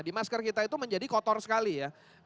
di masker kita itu menjadi kotor sekali ya